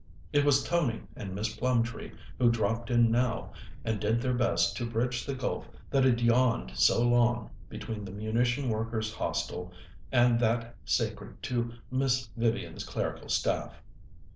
It was Tony and Miss Plumtree who dropped in now, and did their best to bridge the gulf that had yawned so long between the munition workers' Hostel and that sacred to Miss Vivian's clerical staff.